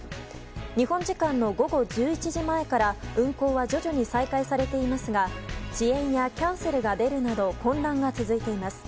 日本時間の午後１１時前から運航は徐々に再開されていますが遅延やキャンセルが出るなど混乱が続いています。